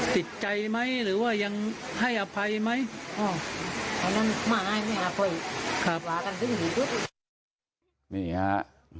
ติดใจไหมหรือว่ายังให้อภัยไหมเค้านั้นมาให้แม่ฮะผม